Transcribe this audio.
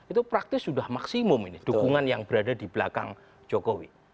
itu praktis sudah maksimum ini dukungan yang berada di belakang jokowi